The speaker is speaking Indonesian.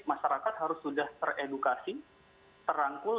masyarakat harus sudah teredukasi terangkul